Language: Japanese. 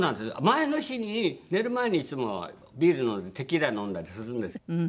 前の日に寝る前にいつもはビールテキーラ飲んだりするんですよ。